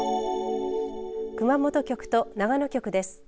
熊本局と長野局です。